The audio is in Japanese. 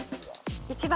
１番。